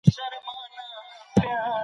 دا ټولې ګټې د دې نبات ارزښت لوړوي.